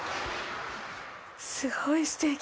すごいすてき。